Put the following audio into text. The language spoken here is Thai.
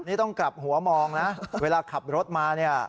นี่ต้องกลับหัวมองนะเวลาขับรถมาเนี่ย